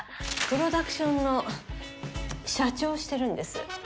プロダクションの社長をしてるんです。